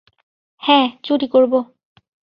হ্যা, চুরি করবো।